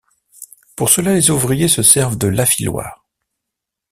Pour cela les ouvriers se servent de l'affiloir.